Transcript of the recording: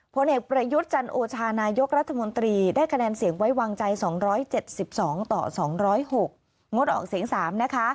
ผลเอกประยุทธ์จันโอชานายกรัฐมนตรีได้คะแนนเสียงไว้วางใจ๒๗๒ต่อ๒๐๖งดออกเสียง๓นะคะ